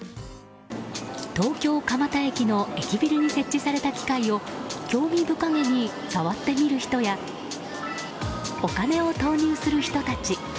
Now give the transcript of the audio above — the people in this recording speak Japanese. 東京・蒲田駅の駅ビルに設置された機械を興味深げに触ってみる人やお金を投入する人たち。